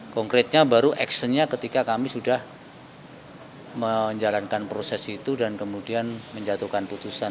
konkretnya baru actionnya ketika kami sudah menjalankan proses itu dan kemudian menjatuhkan putusan